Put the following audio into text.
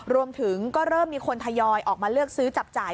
รวมถึงก็เริ่มมีคนทยอยออกมาเลือกซื้อจับจ่าย